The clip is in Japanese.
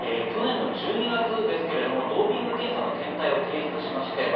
去年の１２月、ドーピング検査の検体を提出しました。